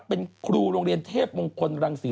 เป็นครูโรงเรียนเทพมงคลรังศรี